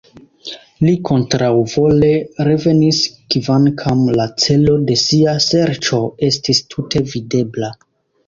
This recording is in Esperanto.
Li kontraŭvole revenis, kvankam la celo de sia serĉo estis tute videbla.